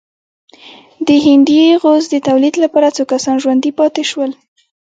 د هندي غوز د تولید لپاره څو کسان ژوندي پاتې شول.